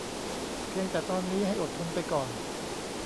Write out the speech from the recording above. เพียงแต่ตอนนี้ให้อดทนไปก่อน